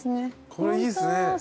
これいいっすね。